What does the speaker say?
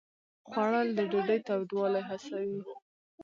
خوړل د ډوډۍ تودوالی حسوي